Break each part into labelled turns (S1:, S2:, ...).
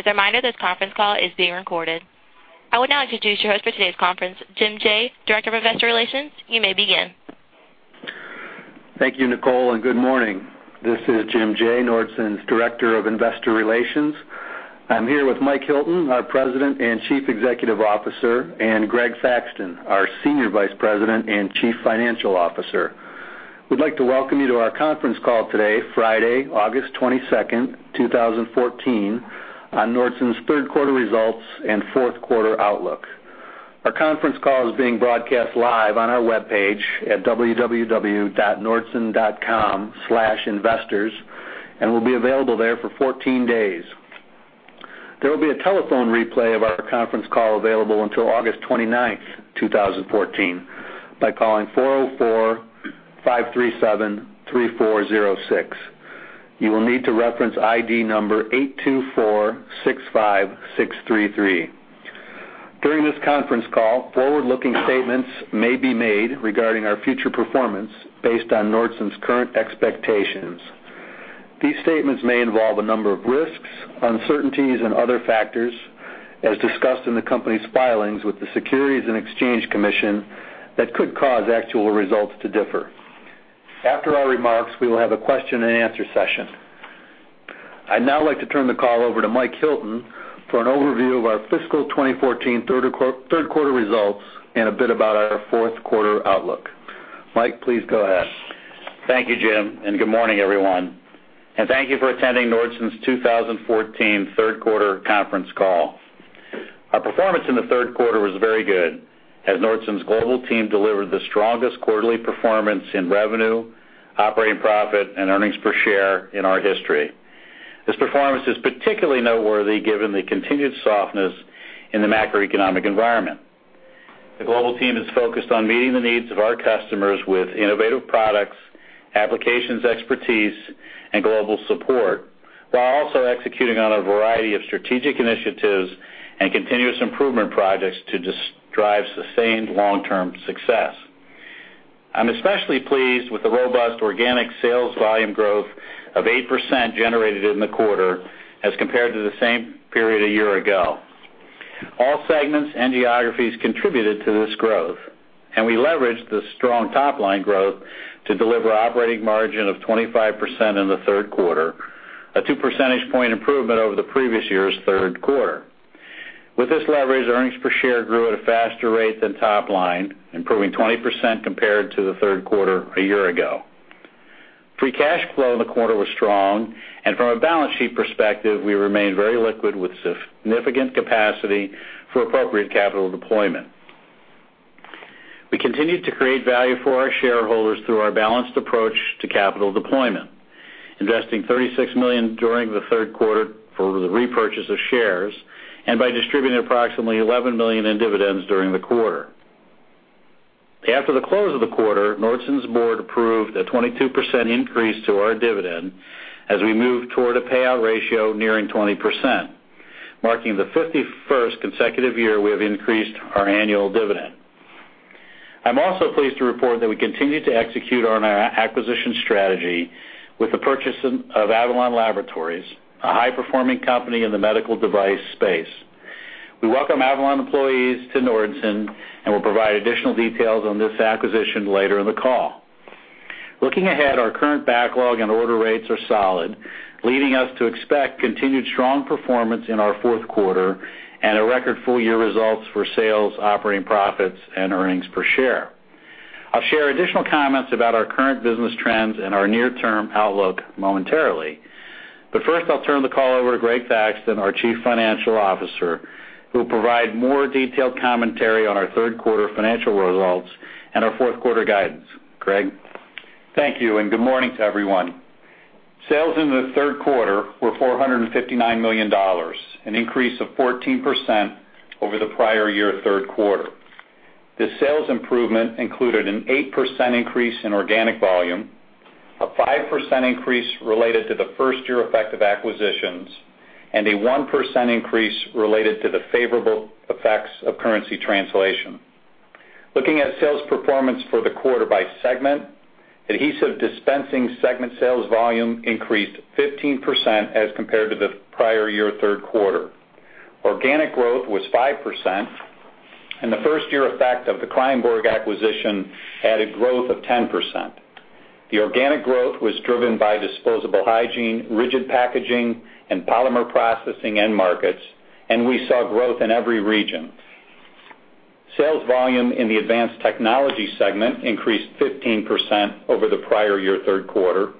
S1: As a reminder, this conference call is being recorded. I would now introduce your host for today's conference, James Jaye, Director of Investor Relations. You may begin.
S2: Thank you, Nicole, and good morning. This is Jim Jaye, Nordson's Director of Investor Relations. I'm here with Mike Hilton, our President and Chief Executive Officer, and Greg Thaxton, our Senior Vice President and Chief Financial Officer. We'd like to welcome you to our conference call today, Friday, August 22nd, 2014, on Nordson's Q3 results and Q4 outlook. Our conference call is being broadcast live on our webpage at www.nordson.com/investors and will be available there for 14 days. There will be a telephone replay of our conference call available until August 29th, 2014 by calling 404-537-3406. You will need to reference ID number 82465633. During this conference call, forward-looking statements may be made regarding our future performance based on Nordson's current expectations. These statements may involve a number of risks, uncertainties, and other factors, as discussed in the company's filings with the Securities and Exchange Commission that could cause actual results to differ. After our remarks, we will have a question-and-answer session. I'd now like to turn the call over to Mike Hilton for an overview of our fiscal 2014 Q3 results and a bit about our Q4 outlook. Mike, please go ahead.
S3: Thank you, Jim, and good morning, everyone, and thank you for attending Nordson's 2014 Q3 conference call. Our performance in the Q3 was very good, as Nordson's global team delivered the strongest quarterly performance in revenue, operating profit, and earnings per share in our history. This performance is particularly noteworthy given the continued softness in the macroeconomic environment. The global team is focused on meeting the needs of our customers with innovative products, applications expertise and global support, while also executing on a variety of strategic initiatives and continuous improvement projects to drive sustained long-term success. I'm especially pleased with the robust organic sales volume growth of 8% generated in the quarter as compared to the same period a year ago. All segments and geographies contributed to this growth, and we leveraged the strong top-line growth to deliver operating margin of 25% in the Q3, a two percentage point improvement over the previous year's Q3. With this leverage, earnings per share grew at a faster rate than top line, improving 20% compared to the Q3 a year ago. Free cash flow in the quarter was strong. From a balance sheet perspective, we remained very liquid with significant capacity for appropriate capital deployment. We continued to create value for our shareholders through our balanced approach to capital deployment, investing $36 million during the Q3 for the repurchase of shares and by distributing approximately $11 million in dividends during the quarter. After the close of the quarter, Nordson's board approved a 22% increase to our dividend as we move toward a payout ratio nearing 20%, marking the 51st consecutive year we have increased our annual dividend. I'm also pleased to report that we continue to execute on our acquisition strategy with the purchase of Avalon Laboratories, a high-performing company in the medical device space. We welcome Avalon employees to Nordson and will provide additional details on this acquisition later in the call. Looking ahead, our current backlog and order rates are solid, leading us to expect continued strong performance in our Q4 and a record full year results for sales, operating profits, and earnings per share. I'll share additional comments about our current business trends and our near-term outlook momentarily, but first, I'll turn the call over to Greg Thaxton, our Chief Financial Officer, who will provide more detailed commentary on our Q3 financial results and our Q4 guidance. Greg?
S4: Thank you, and good morning to everyone. Sales in the Q3 were $459 million, an increase of 14% over the prior year Q3. The sales improvement included an 8% increase in organic volume, a 5% increase related to the first year effect of acquisitions, and a 1% increase related to the favorable effects of currency translation. Looking at sales performance for the quarter by segment, Adhesive Dispensing segment sales volume increased 15% as compared to the prior year Q3. Organic growth was 5% and the first year effect of the Kreyenborg acquisition added growth of 10%. The organic growth was driven by disposable hygiene, rigid packaging, and polymer processing end markets, and we saw growth in every region. Sales volume in the Advanced Technology segment increased 15% over the prior year Q3.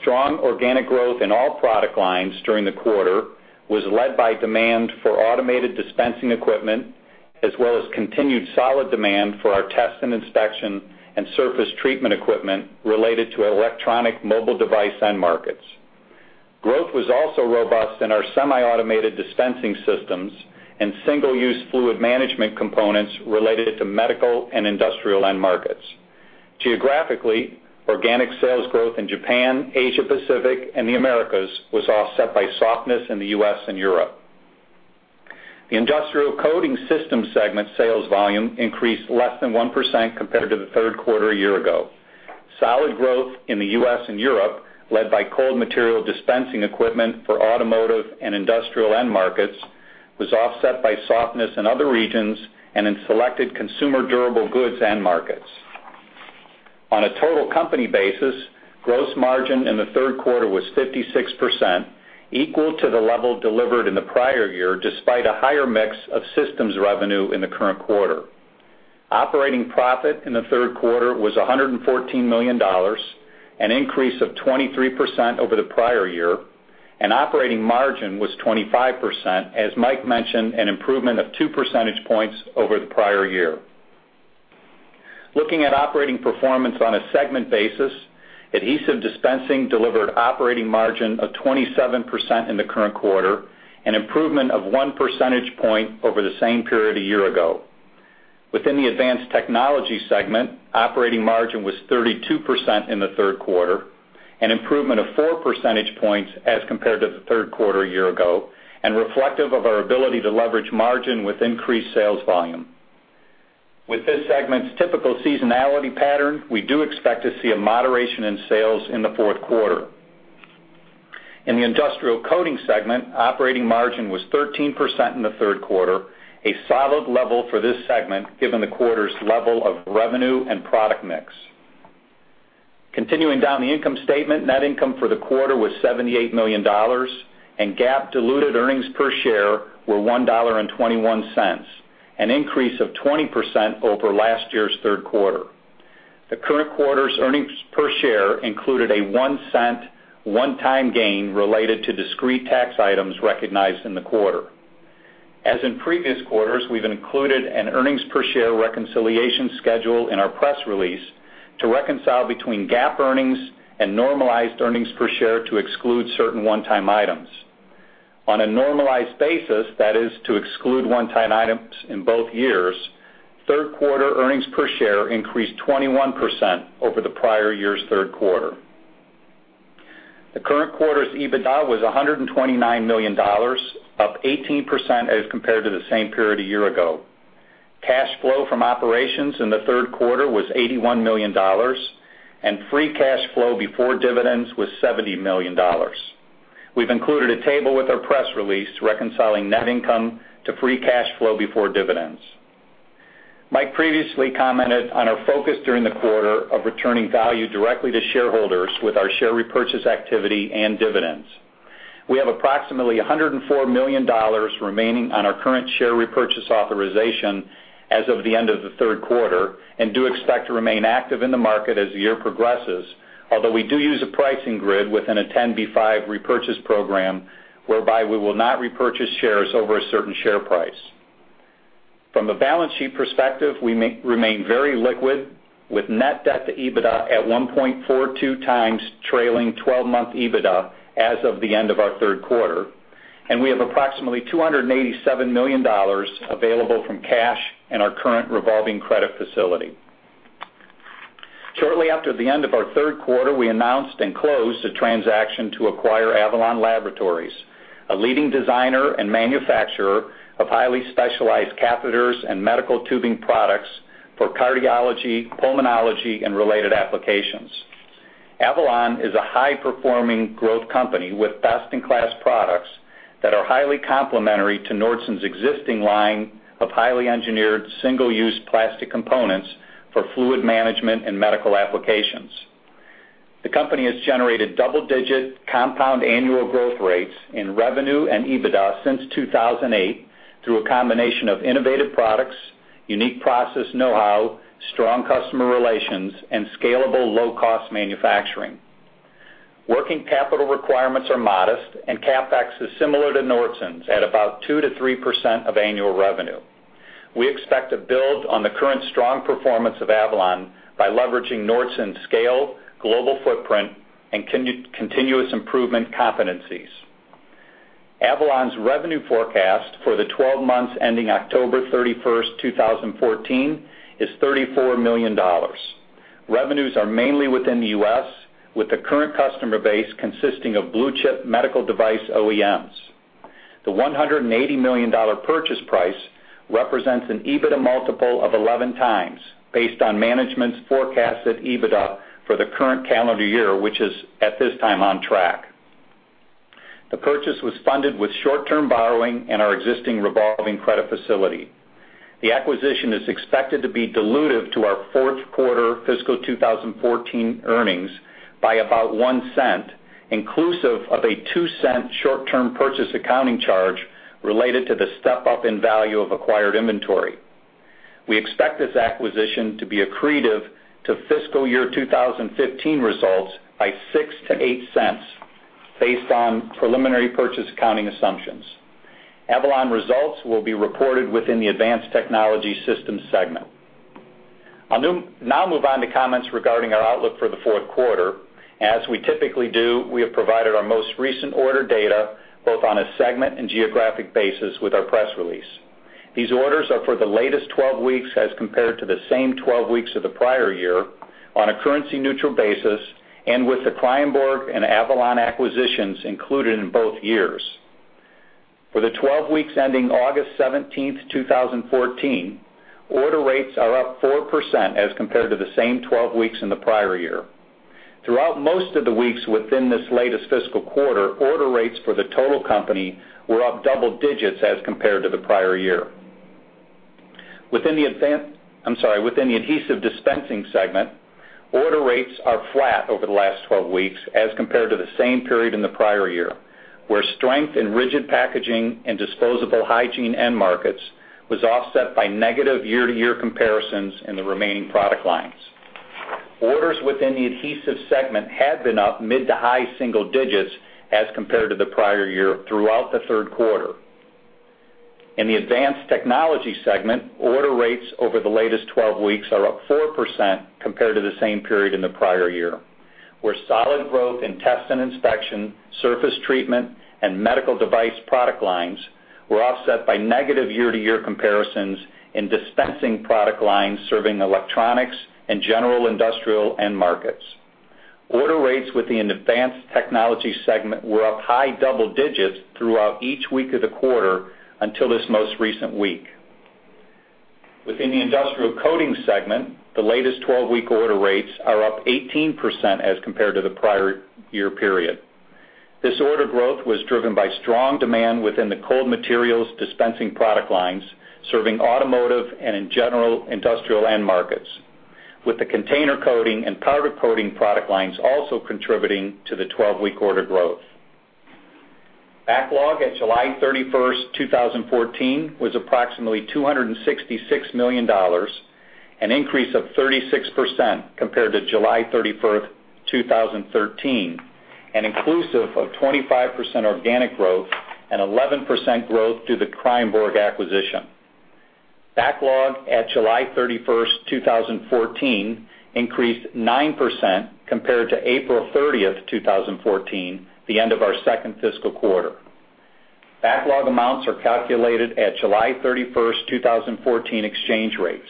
S4: Strong organic growth in all product lines during the quarter was led by demand for automated dispensing equipment, as well as continued solid demand for our test and inspection and surface treatment equipment related to electronic mobile device end markets. Growth was also robust in our semi-automated dispensing systems and single-use fluid management components related to medical and industrial end markets. Geographically, organic sales growth in Japan, Asia Pacific, and the Americas was offset by softness in the U.S. and Europe. The Industrial Coating Systems segment sales volume increased less than 1% compared to the Q3 a year ago. Solid growth in the U.S. and Europe, led by cold material dispensing equipment for automotive and industrial end markets, was offset by softness in other regions and in selected consumer durable goods end markets. On a total company basis, gross margin in the Q3 was 56%, equal to the level delivered in the prior year, despite a higher mix of systems revenue in the current quarter. Operating profit in the Q3 was $114 million, an increase of 23% over the prior year, and operating margin was 25%, as Mike mentioned, an improvement of two percentage points over the prior year. Looking at operating performance on a segment basis, Adhesive Dispensing delivered operating margin of 27% in the current quarter, an improvement of one percentage point over the same period a year ago. Within the Advanced Technology segment, operating margin was 32% in the Q3, an improvement of four percentage points as compared to the Q3 a year ago, and reflective of our ability to leverage margin with increased sales volume. With this segment's typical seasonality pattern, we do expect to see a moderation in sales in the Q4. In the Industrial Coating segment, operating margin was 13% in the Q3, a solid level for this segment given the quarter's level of revenue and product mix. Continuing down the income statement, net income for the quarter was $78 million, and GAAP diluted earnings per share were $1.21, an increase of 20% over last year's Q3. The current quarter's earnings per share included a $0.01 one-time gain related to discrete tax items recognized in the quarter. As in previous quarters, we've included an earnings per share reconciliation schedule in our press release to reconcile between GAAP earnings and normalized earnings per share to exclude certain one-time items. On a normalized basis, that is, to exclude one-time items in both years, Q3 earnings per share increased 21% over the prior year's Q3. The current quarter's EBITDA was $129 million, up 18% as compared to the same period a year ago. Cash flow from operations in the Q3 was $81 million, and free cash flow before dividends was $70 million. We've included a table with our press release reconciling net income to free cash flow before dividends. Mike previously commented on our focus during the quarter of returning value directly to shareholders with our share repurchase activity and dividends. We have approximately $104 million remaining on our current share repurchase authorization as of the end of the Q3 and do expect to remain active in the market as the year progresses, although we do use a pricing grid within a 10b5 repurchase program whereby we will not repurchase shares over a certain share price. From a balance sheet perspective, we remain very liquid, with net debt to EBITDA at 1.42x trailing twelve-month EBITDA as of the end of our Q3, and we have approximately $287 million available from cash and our current revolving credit facility. Shortly after the end of our Q3, we announced and closed the transaction to acquire Avalon Laboratories, a leading designer and manufacturer of highly specialized catheters and medical tubing products for cardiology, pulmonology, and related applications. Avalon is a high-performing growth company with best-in-class products that are highly complementary to Nordson's existing line of highly engineered, single-use plastic components for fluid management and medical applications. The company has generated double-digit compound annual growth rates in revenue and EBITDA since 2008 through a combination of innovative products, unique process know-how, strong customer relations, and scalable, low-cost manufacturing. Working capital requirements are modest, and CapEx is similar to Nordson's at about 2%-3% of annual revenue. We expect to build on the current strong performance of Avalon by leveraging Nordson's scale, global footprint, and continuous improvement competencies. Avalon's revenue forecast for the 12 months ending October 31st, 2014, is $34 million. Revenues are mainly within the U.S., with the current customer base consisting of blue-chip medical device OEMs. The $180 million purchase price represents an EBITDA multiple of 11x, based on management's forecasted EBITDA for the current calendar year, which is, at this time, on track. The purchase was funded with short-term borrowing and our existing revolving credit facility. The acquisition is expected to be dilutive to our Q4 fiscal 2014 earnings by about $0.01, inclusive of a $0.02 short-term purchase accounting charge related to the step-up in value of acquired inventory. We expect this acquisition to be accretive to fiscal year 2015 results by $0.06-$0.08 based on preliminary purchase accounting assumptions. Avalon results will be reported within the Advanced Technology Systems segment. I'll now move on to comments regarding our outlook for the Q4. As we typically do, we have provided our most recent order data, both on a segment and geographic basis, with our press release. These orders are for the latest 12 weeks as compared to the same 12 weeks of the prior year on a currency-neutral basis, and with the Kreyenborg and Avalon acquisitions included in both years. For the 12 weeks ending August 17, 2014, order rates are up 4% as compared to the same 12 weeks in the prior year. Throughout most of the weeks within this latest fiscal quarter, order rates for the total company were up double digits as compared to the prior year. Within the Adhesive Dispensing segment, order rates are flat over the last 12 weeks as compared to the same period in the prior year, where strength in rigid packaging and disposable hygiene end markets was offset by negative year-to-year comparisons in the remaining product lines. Orders within the Adhesive segment had been up mid- to high-single digits as compared to the prior year throughout the Q3. In the Advanced Technology segment, order rates over the latest 12 weeks are up 4% compared to the same period in the prior year, where solid growth in test and inspection, surface treatment, and medical device product lines were offset by negative year-to-year comparisons in dispensing product lines serving electronics and general industrial end markets. Order rates within the Advanced Technology segment were up high double digits throughout each week of the quarter until this most recent week. Within the Industrial Coating segment, the latest 12-week order rates are up 18% as compared to the prior year period. This order growth was driven by strong demand within the cold materials dispensing product lines, serving automotive and in general industrial end markets, with the container coating and powder coating product lines also contributing to the 12-week order growth. Backlog at July 31, 2014 was approximately $266 million, an increase of 36% compared to July 31st, 2013, and inclusive of 25% organic growth and 11% growth through the Kreyenborg acquisition. Backlog at July 31st, 2014 increased 9% compared to April 30th, 2014, the end of our second fiscal quarter. Backlog amounts are calculated at July 31, 2014 exchange rates.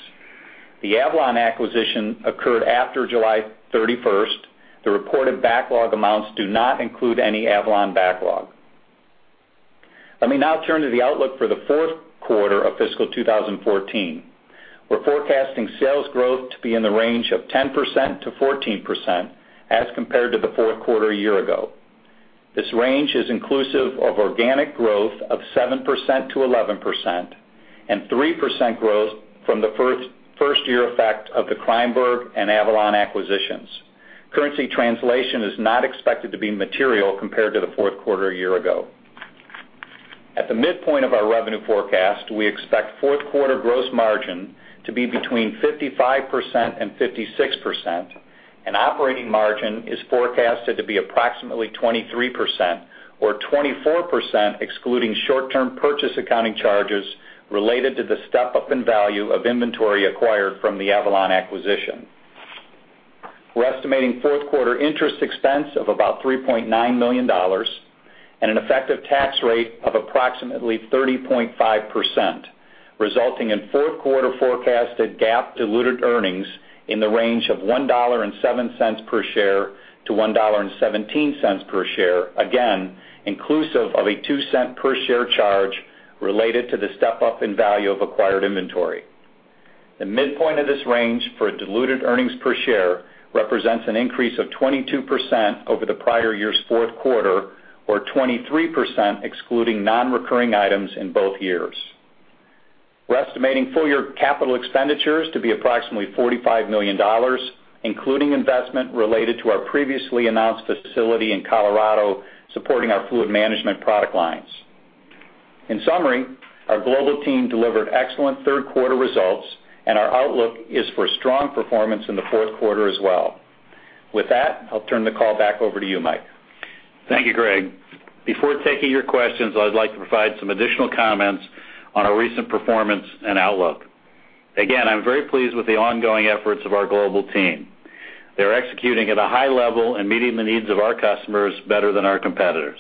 S4: The Avalon acquisition occurred after July 31st. The reported backlog amounts do not include any Avalon backlog. Let me now turn to the outlook for the Q4 of fiscal 2014. We're forecasting sales growth to be in the range of 10%-14% as compared to the Q4 a year ago. This range is inclusive of organic growth of 7%-11% and 3% growth from the first-year effect of the Kreyenborg and Avalon acquisitions. Currency translation is not expected to be material compared to the Q4 a year ago. At the midpoint of our revenue forecast, we expect Q4 gross margin to be between 55% and 56%, and operating margin is forecasted to be approximately 23% or 24%, excluding short-term purchase accounting charges related to the step-up in value of inventory acquired from the Avalon acquisition. We're estimating Q4 interest expense of about $3.9 million and an effective tax rate of approximately 30.5%, resulting in Q4 forecasted GAAP diluted earnings in the range of $1.07-$1.17 per share, again, inclusive of a $0.02 per share charge related to the step-up in value of acquired inventory. The midpoint of this range for diluted earnings per share represents an increase of 22% over the prior year's Q4, or 23% excluding non-recurring items in both years. We're estimating full year capital expenditures to be approximately $45 million, including investment related to our previously announced facility in Colorado, supporting our fluid management product lines. In summary, our global team delivered excellent Q3 results, and our outlook is for strong performance in the Q4 as well. With that, I'll turn the call back over to you, Mike.
S3: Thank you, Greg. Before taking your questions, I'd like to provide some additional comments on our recent performance and outlook. Again, I'm very pleased with the ongoing efforts of our global team. They're executing at a high level and meeting the needs of our customers better than our competitors.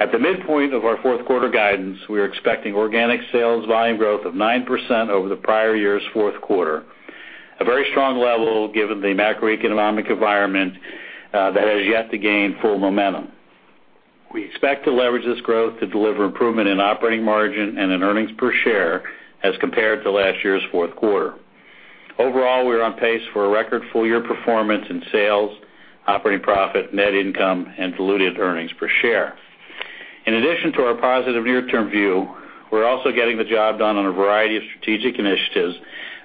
S3: At the midpoint of our Q4 guidance, we are expecting organic sales volume growth of 9% over the prior year's Q4, a very strong level given the macroeconomic environment that has yet to gain full momentum. We expect to leverage this growth to deliver improvement in operating margin and in earnings per share as compared to last year's Q4. Overall, we are on pace for a record full year performance in sales, operating profit, net income and diluted earnings per share. In addition to our positive near-term view, we're also getting the job done on a variety of strategic initiatives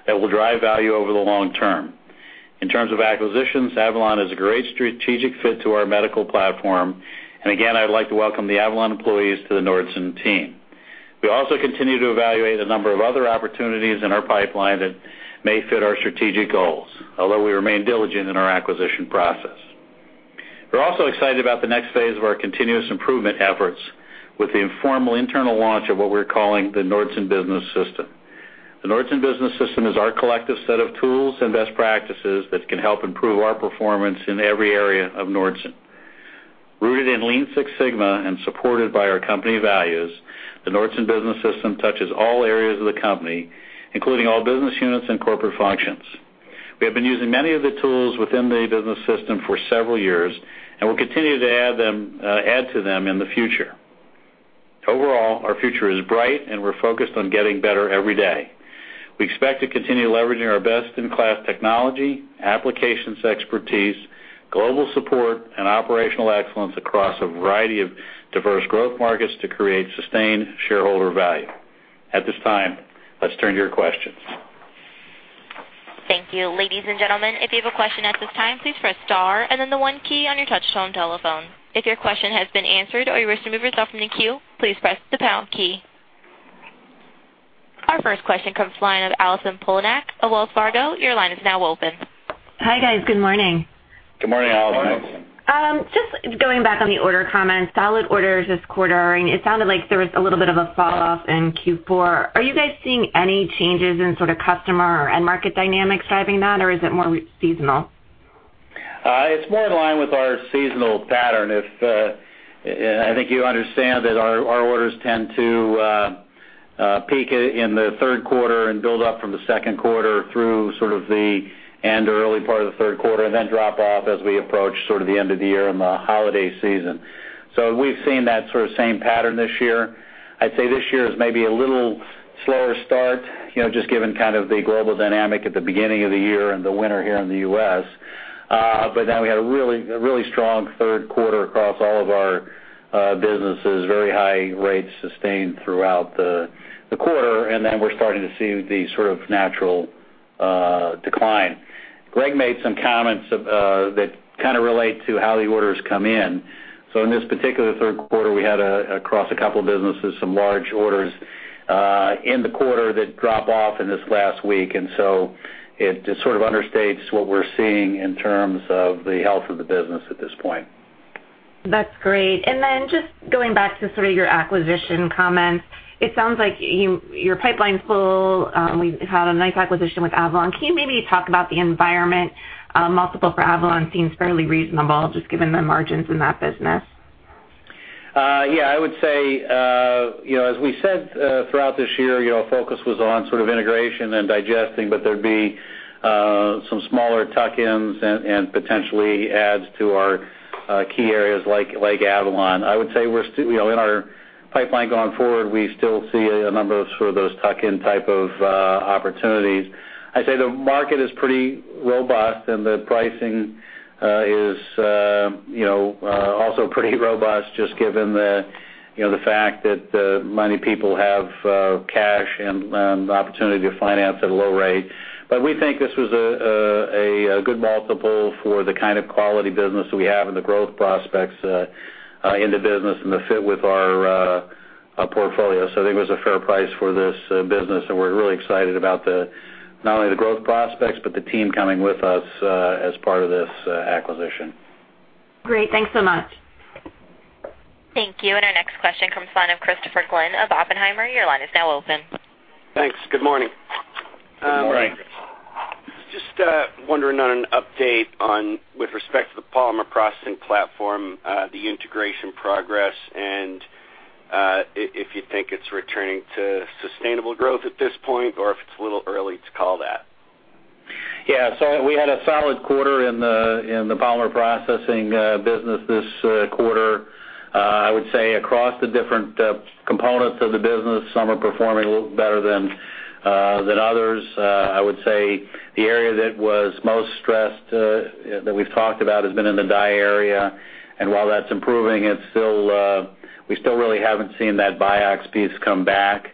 S3: that will drive value over the long term. In terms of acquisitions, Avalon is a great strategic fit to our medical platform, and again, I'd like to welcome the Avalon employees to the Nordson team. We also continue to evaluate a number of other opportunities in our pipeline that may fit our strategic goals, although we remain diligent in our acquisition process. We're also excited about the next phase of our continuous improvement efforts with the informal internal launch of what we're calling the Nordson Business System. The Nordson Business System is our collective set of tools and best practices that can help improve our performance in every area of Nordson. Rooted in Lean Six Sigma and supported by our company values, the Nordson business system touches all areas of the company, including all business units and corporate functions. We have been using many of the tools within the business system for several years, and we'll continue to add them, add to them in the future. Overall, our future is bright, and we're focused on getting better every day. We expect to continue leveraging our best-in-class technology, applications expertise, global support and operational excellence across a variety of diverse growth markets to create sustained shareholder value. At this time, let's turn to your questions.
S1: Thank you. Ladies and gentlemen, if you have a question at this time, please press star and then the one key on your touchtone telephone. If your question has been answered or you wish to remove yourself from the queue, please press the pound key. Our first question comes from the line of Allison Poliniak of Wells Fargo. Your line is now open.
S5: Hi, guys. Good morning.
S3: Good morning, Allison.
S5: Just going back on the order comments, solid orders this quarter, and it sounded like there was a little bit of a falloff in Q4. Are you guys seeing any changes in sort of customer or end market dynamics driving that, or is it more seasonal?
S3: It's more in line with our seasonal pattern. I think you understand that our orders tend to peak in the Q3 and build up from the Q2 through sort of the end or early part of the Q3, and then drop off as we approach sort of the end of the year and the holiday season. We've seen that sort of same pattern this year. I'd say this year is maybe a little slower start, you know, just given kind of the global dynamic at the beginning of the year and the winter here in the U.S. Then we had a really strong Q3 across all of our businesses, very high rates sustained throughout the quarter, and then we're starting to see the sort of natural decline. Greg made some comments on that kinda relate to how the orders come in. In this particular Q3, we had across a couple of businesses, some large orders in the quarter that drop off in this last week. It just sort of understates what we're seeing in terms of the health of the business at this point.
S5: That's great. Just going back to sort of your acquisition comments, it sounds like your pipeline's full. We've had a nice acquisition with Avalon. Can you maybe talk about the environment? Multiple for Avalon seems fairly reasonable, just given the margins in that business.
S3: Yeah, I would say, you know, as we said throughout this year, you know, our focus was on sort of integration and digesting, but there'd be some smaller tuck-ins and potentially adds to our key areas like Avalon. I would say, you know, in our pipeline going forward, we still see a number of sort of those tuck-in type of opportunities. I'd say the market is pretty robust, and the pricing is, you know, also pretty robust, just given the, you know, the fact that many people have cash and the opportunity to finance at a low rate. We think this was a good multiple for the kind of quality business that we have and the growth prospects in the business and the fit with our portfolio. I think it was a fair price for this business, and we're really excited about not only the growth prospects, but the team coming with us as part of this acquisition.
S5: Great. Thanks so much.
S1: Thank you. Our next question comes from the line of Christopher Glynn of Oppenheimer. Your line is now open.
S6: Thanks. Good morning.
S3: Good morning.
S6: Just wondering about an update with respect to the polymer processing platform, the integration progress and if you think it's returning to sustainable growth at this point, or if it's a little early to call that.
S3: We had a solid quarter in the polymer processing business this quarter. I would say across the different components of the business, some are performing a little better than others. I would say the area that was most stressed that we've talked about has been in the die area. While that's improving, it's still we still really haven't seen that Biax piece come back.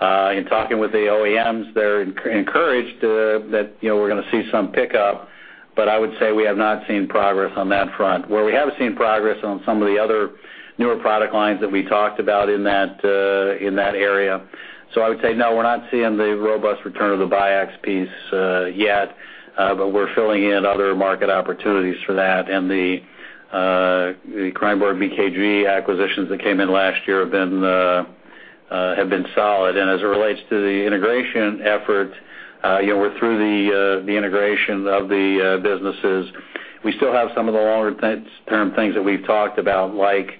S3: In talking with the OEMs, they're encouraged that, you know, we're gonna see some pickup, but I would say we have not seen progress on that front. Where we have seen progress on some of the other newer product lines that we talked about in that area. I would say, no, we're not seeing the robust return of the Biax piece yet, but we're filling in other market opportunities for that. The Kreyenborg BKG acquisitions that came in last year have been solid. As it relates to the integration effort, you know, we're through the integration of the businesses. We still have some of the longer-term things that we've talked about, like,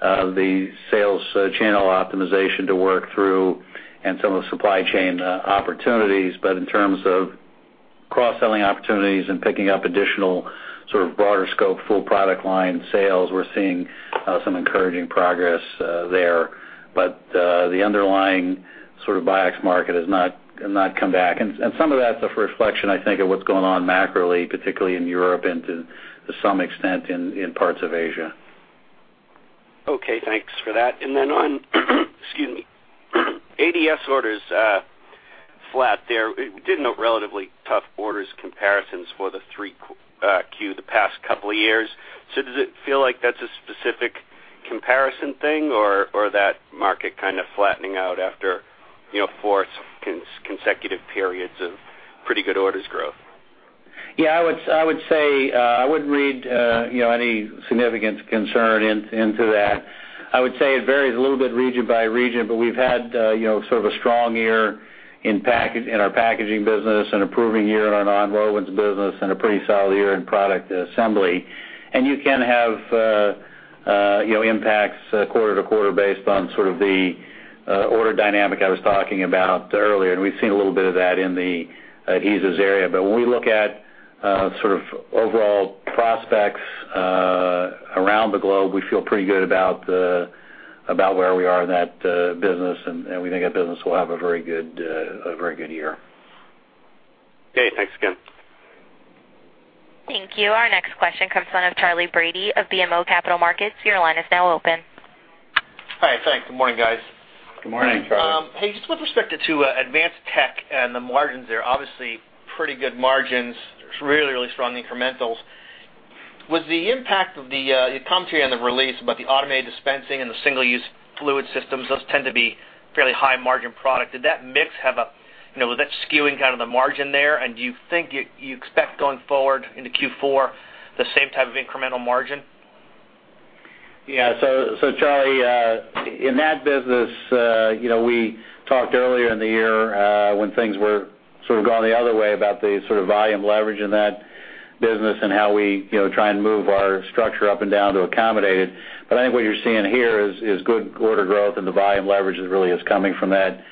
S3: the sales channel optimization to work through and some of the supply chain opportunities. But in terms of cross-selling opportunities and picking up additional sort of broader scope, full product line sales, we're seeing some encouraging progress there. But the underlying sort of Biax market has not come back. Some of that's a reflection, I think, of what's going on macroly, particularly in Europe and to some extent in parts of Asia.
S6: Okay. Thanks for that. On, excuse me ADS orders, flat there. We did note relatively tough orders comparisons for the Q3 in the past couple of years. Does it feel like that's a specific comparison thing, or that market kind of flattening out after, you know, four consecutive periods of pretty good orders growth?
S3: Yeah, I would say I wouldn't read you know any significant concern into that. I would say it varies a little bit region by region, but we've had sort of a strong year in our packaging business and improving year on our nonwovens business and a pretty solid year in product assembly. You can have impacts quarter to quarter based on sort of the order dynamic I was talking about earlier, and we've seen a little bit of that in the adhesives area. But when we look at sort of overall prospects around the globe, we feel pretty good about where we are in that business, and we think that business will have a very good year.
S7: Okay. Thanks again.
S1: Thank you. Our next question comes from Charlie Brady of BMO Capital Markets. Your line is now open.
S7: Hi. Thanks. Good morning, guys.
S3: Good morning, Charlie.
S7: Hey, just with respect to Advanced Tech and the margins there, obviously pretty good margins, really strong incrementals. Was the impact of the items here in the release about the automated dispensing and the single-use fluid systems? Those tend to be fairly high margin product. Did that mix have a, you know, was that skewing kind of the margin there? Do you think you expect going forward into Q4 the same type of incremental margin?
S3: Yeah. Charlie, in that business, you know, we talked earlier in the year, when things were sort of going the other way about the sort of volume leverage in that business and how we, you know, try and move our structure up and down to accommodate it. I think what you're seeing here is good quarter growth, and the volume leverage really is coming from that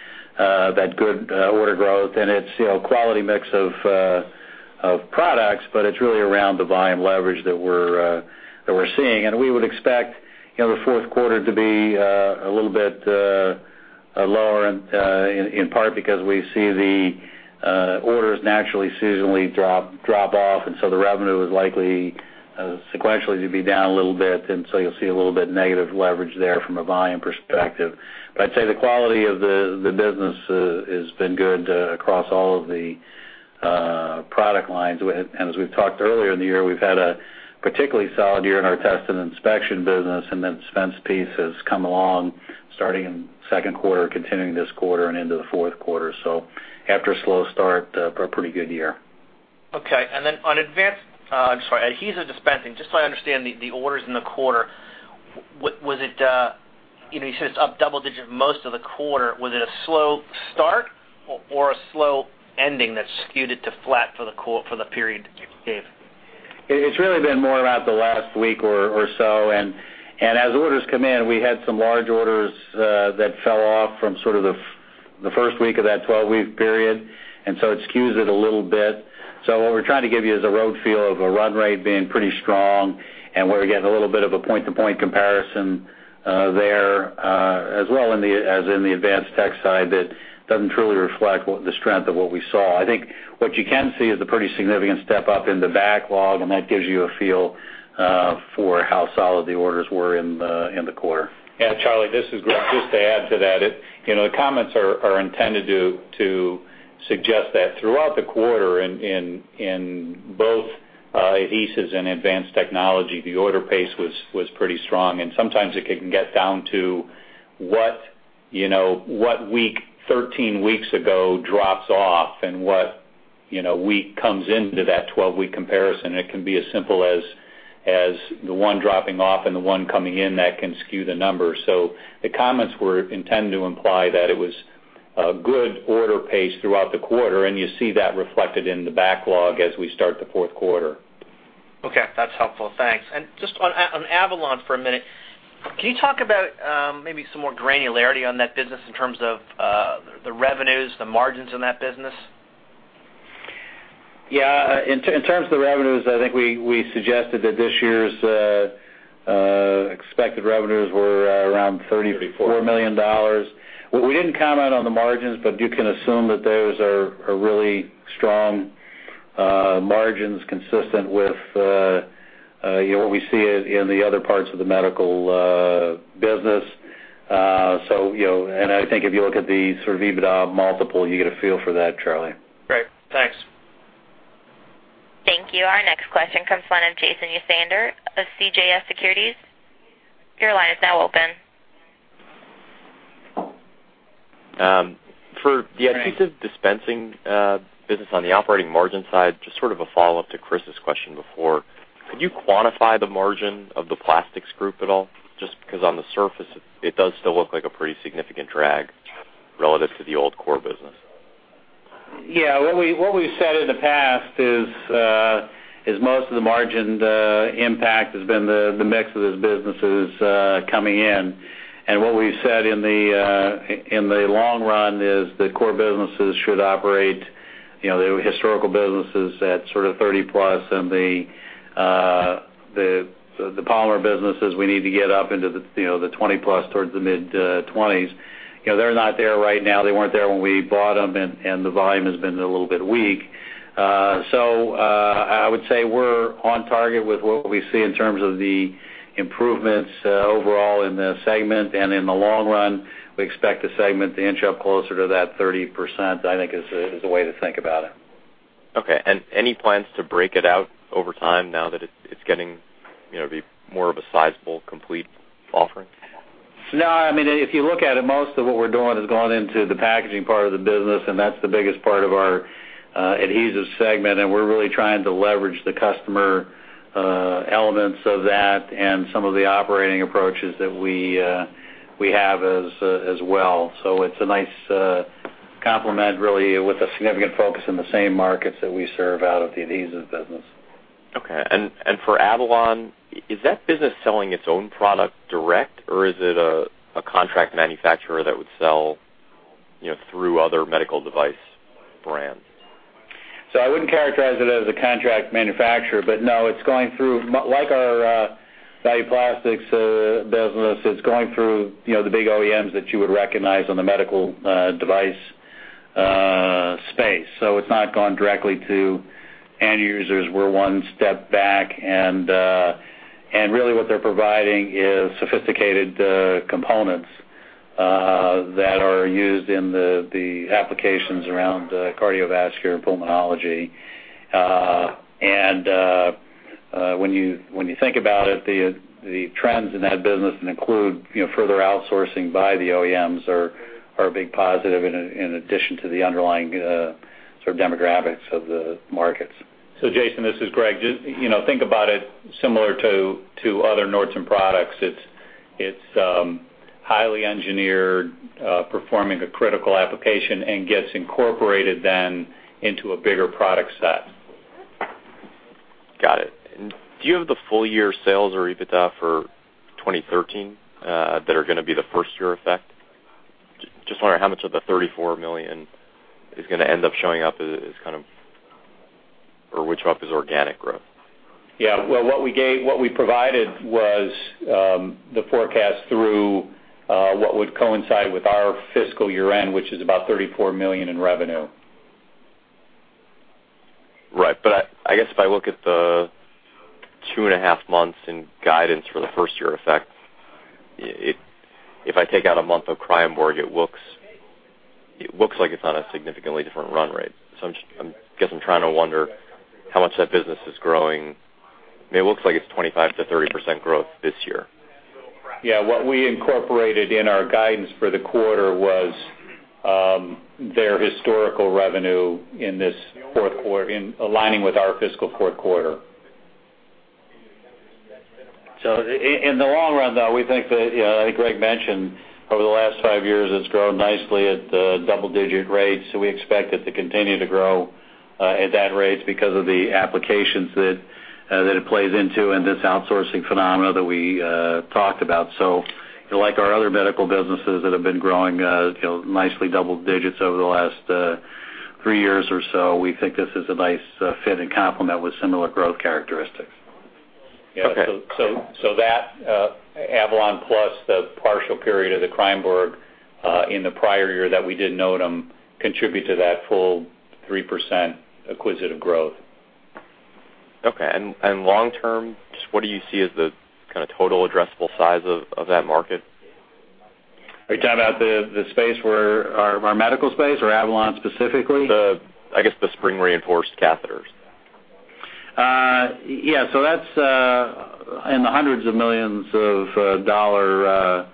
S3: good order growth. It's you know quality mix of products, but it's really around the volume leverage that we're seeing. We would expect, you know, the Q4 to be a little bit lower in part because we see the orders naturally seasonally drop off. The revenue is likely sequentially to be down a little bit. You'll see a little bit negative leverage there from a volume perspective. I'd say the quality of the business has been good across all of the product lines. As we've talked earlier in the year, we've had a particularly solid year in our test and inspection business, and that dispense piece has come along starting in Q2, continuing this quarter and into the Q4. After a slow start, a pretty good year.
S7: Okay. On Advanced—I'm sorry. Adhesive Dispensing, just so I understand the orders in the quarter, was it, you know, you said it's up double-digit most of the quarter. Was it a slow start or a slow ending that skewed it to flat for the period, Dave?
S3: It's really been more about the last week or so. As orders come in, we had some large orders that fell off from sort of the first week of that 12-week period. It skews it a little bit. What we're trying to give you is a rough feel of a run rate being pretty strong, and we're getting a little bit of a point-to-point comparison there as well in the Advanced Tech side that doesn't truly reflect the strength of what we saw. I think what you can see is a pretty significant step up in the backlog, and that gives you a feel for how solid the orders were in the quarter.
S4: Yeah, Charlie, this is Greg. Just to add to that, it you know the comments are intended to suggest that throughout the quarter in both adhesives and advanced technology, the order pace was pretty strong. Sometimes it can get down to what you know what week 13 weeks ago drops off and what you know week comes into that 12-week comparison. It can be as simple as the one dropping off and the one coming in that can skew the numbers. The comments were intended to imply that it was a good order pace throughout the quarter, and you see that reflected in the backlog as we start the Q4.
S7: Okay. That's helpful. Thanks. Just on Avalon for a minute, can you talk about maybe some more granularity on that business in terms of the revenues, the margins in that business?
S3: Yeah. In terms of the revenues, I think we suggested that this year's expected revenues were around $34 million. We didn't comment on the margins, but you can assume that those are really strong margins consistent with you know, what we see in the other parts of the medical business. You know, I think if you look at the sort of EBITDA multiple, you get a feel for that, Charlie.
S7: Great. Thanks.
S1: Thank you. Our next question comes from Jason Ursaner of CJS Securities. Your line is now open.
S8: For the adhesive dispensing business on the operating margin side, just sort of a follow-up to Chris's question before, could you quantify the margin of the plastics group at all? Just because on the surface it does still look like a pretty significant drag relative to the old core business.
S3: Yeah. What we've said in the past is most of the margin impact has been the mix of those businesses coming in. What we've said in the long run is the core businesses should operate the historical businesses at sort of +30%, and the polymer businesses, we need to get up into the +20% towards the mid-20s%. You know, they're not there right now. They weren't there when we bought them, and the volume has been a little bit weak. I would say we're on target with what we see in terms of the improvements overall in the segment. In the long run, we expect the segment to inch up closer to that 30%, I think is the way to think about it.
S8: Okay. Any plans to break it out over time now that it's getting, you know, be more of a sizable, complete offering?
S3: No. I mean, if you look at it, most of what we're doing has gone into the packaging part of the business, and that's the biggest part of our Adhesives segment, and we're really trying to leverage the customer elements of that and some of the operating approaches that we have as well. So it's a nice complement, really, with a significant focus in the same markets that we serve out of the Adhesives business.
S8: For Avalon, is that business selling its own product direct, or is it a contract manufacturer that would sell, you know, through other medical device brands?
S3: I wouldn't characterize it as a contract manufacturer. No, it's going through, like our Value Plastics business. It's going through, you know, the big OEMs that you would recognize on the medical device space. It's not gone directly to end users. We're one step back and really what they're providing is sophisticated components that are used in the applications around cardiovascular and pulmonology. When you think about it, the trends in that business and include, you know, further outsourcing by the OEMs are a big positive in addition to the underlying sort of demographics of the markets.
S4: Jason, this is Greg. Just, you know, think about it similar to other Nordson products. It's highly engineered, performing a critical application and gets incorporated then into a bigger product set.
S8: Got it. Do you have the full year sales or EBITDA for 2013 that are gonna be the first year effect? Just wondering how much of the $34 million is gonna end up showing up as kind of, or which of them is organic growth?
S4: Yeah. Well, what we provided was the forecast through what would coincide with our fiscal year-end, which is about $34 million in revenue.
S8: Right. I guess if I look at the 2.5 months in guidance for the first year effect, if I take out a month of Kreyenborg, it looks like it's on a significantly different run rate. I guess I'm trying to wonder how much that business is growing. I mean, it looks like it's 25%-30% growth this year.
S3: Yeah. What we incorporated in our guidance for the quarter was their historical revenue in this Q4 in aligning with our fiscal Q4. In the long run, though, we think that, you know, like Greg mentioned, over the last five years, it's grown nicely at double-digit rates. We expect it to continue to grow at that rate because of the applications that that it plays into and this outsourcing phenomena that we talked about. Like our other medical businesses that have been growing, you know, nicely double digits over the last three years or so, we think this is a nice fit and complement with similar growth characteristics.
S8: Okay.
S4: Avalon plus the partial period of the Kreyenborg in the prior year that we did note them contribute to that full 3% acquisitive growth.
S8: Long term, just what do you see as the kind of total addressable size of that market?
S3: Are you talking about the space where our medical space or Avalon specifically?
S8: I guess, the spring-reinforced catheters.
S3: Yeah. That's in the hundreds of millions of dollars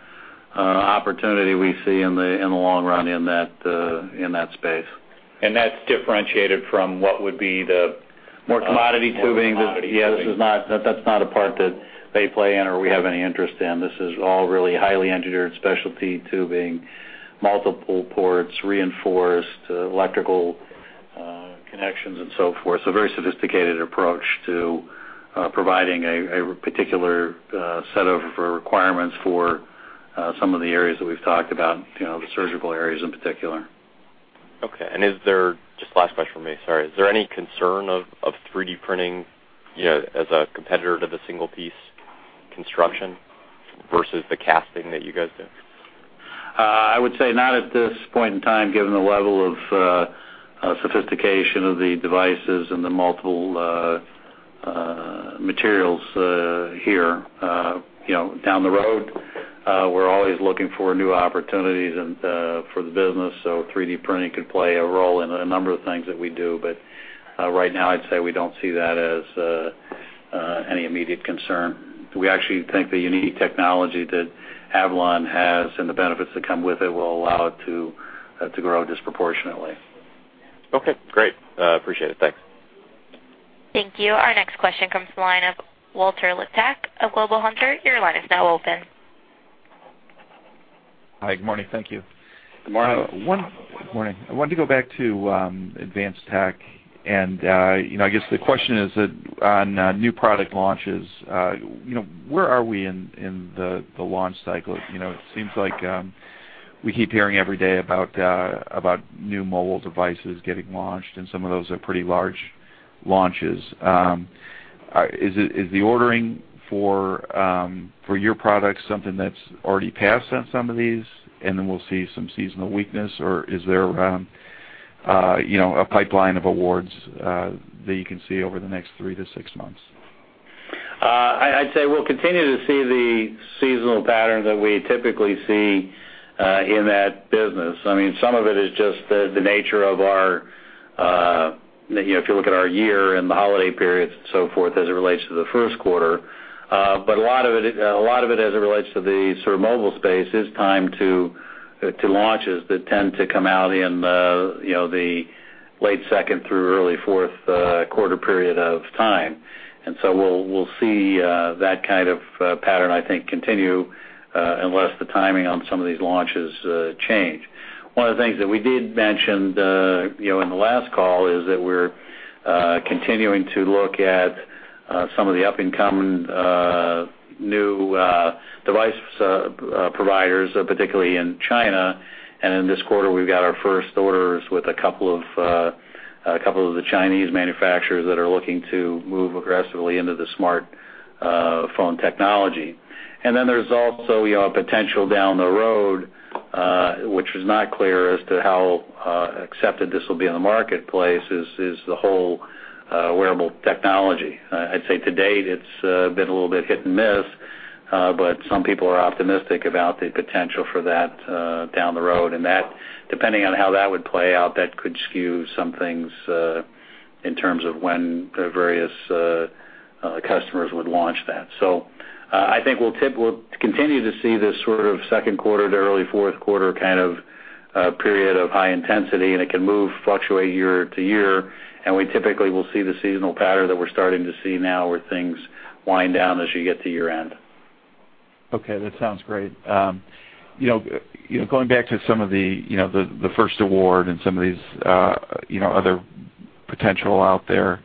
S3: opportunity we see in the long run in that space.
S4: That's differentiated from what would be the.
S3: More commodity tubing.
S4: More of the commodity tubing.
S3: Yeah. This is not a part that they play in or we have any interest in. This is all really highly engineered specialty tubing, multiple ports, reinforced electrical connections and so forth. Very sophisticated approach to providing a particular set of requirements for some of the areas that we've talked about, you know, the surgical areas in particular.
S8: Okay. Just last question for me, sorry. Is there any concern of 3D printing, you know, as a competitor to the single piece construction versus the casting that you guys do?
S3: I would say not at this point in time, given the level of sophistication of the devices and the multiple materials here. You know, down the road, we're always looking for new opportunities and for the business, so 3D printing could play a role in a number of things that we do. Right now, I'd say we don't see that as any immediate concern. We actually think the unique technology that Avalon has and the benefits that come with it will allow it to grow disproportionately.
S8: Okay, great. Appreciate it. Thanks.
S1: Thank you. Our next question comes from the line of Walter Liptak of Global Hunter. Your line is now open.
S9: Hi. Good morning. Thank you.
S3: Good morning.
S9: Good morning. I wanted to go back to Advanced Tech. I guess the question is that on new product launches, where are we in the launch cycle? It seems like we keep hearing every day about new mobile devices getting launched, and some of those are pretty large launches. Is the ordering for your products something that's already passed on some of these, and then we'll see some seasonal weakness? Or is there a pipeline of awards that you can see over the next three to six months?
S3: I'd say we'll continue to see the seasonal pattern that we typically see in that business. I mean, some of it is just the nature of our, you know, if you look at our year and the holiday periods and so forth as it relates to the Q1. But a lot of it as it relates to the sort of mobile space is timing of launches that tend to come out in the, you know, the late second through early Q4 period of time. We'll see that kind of pattern, I think, continue unless the timing on some of these launches change. One of the things that we did mention you know, in the last call, is that we're continuing to look at some of the up-and-coming new device providers, particularly in China. In this quarter, we've got our first orders with a couple of the Chinese manufacturers that are looking to move aggressively into the smartphone technology. Then there's also you know, a potential down the road, which is not clear as to how accepted this will be in the marketplace is the whole wearable technology. I'd say to date, it's been a little bit hit and miss, but some people are optimistic about the potential for that down the road. That, depending on how that would play out, that could skew some things in terms of when the various customers would launch that. I think we'll continue to see this sort of Q2 to early Q4 kind of period of high intensity, and it can move, fluctuate year to year. We typically will see the seasonal pattern that we're starting to see now, where things wind down as you get to year-end.
S10: Okay, that sounds great. You know, going back to some of the, you know, the first award and some of these, you know, other potential out there,